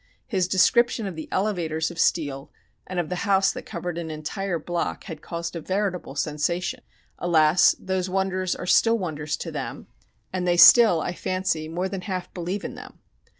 His description of the elevators of steel and of the house that covered an entire block had caused a veritable sensation. Alas! those wonders are still wonders to them, and they still, I fancy, more than half believe in them.